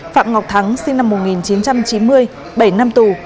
phạm ngọc thắng sinh năm một nghìn chín trăm chín mươi bảy năm tù